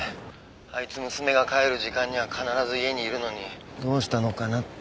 あいつ娘が帰る時間には必ず家にいるのにどうしたのかなって。